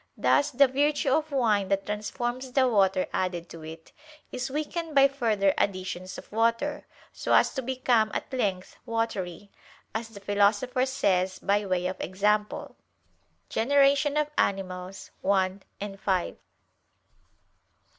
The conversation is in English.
Thus the virtue of wine that transforms the water added to it, is weakened by further additions of water, so as to become at length watery, as the Philosopher says by way of example (De Gener. i, 5).